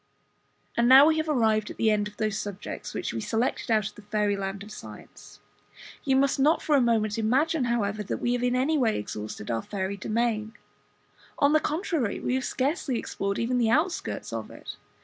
And now we have arrived at the end of those subjects which we selected out of the Fairy land of Science. You must not for a moment imagine, however, that we have in any way exhausted our fairy domain; on the contrary, we have scarcely explored even the outskirts of it.